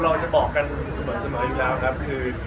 เราจะบอกกันเสมออยู่แล้วครับคือ